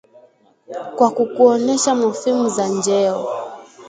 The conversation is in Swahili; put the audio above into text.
kwa kuonyesha mofimu za njeo